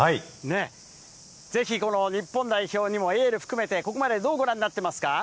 ぜひこの日本代表にもエール含めて、ここまでどうご覧になってますか？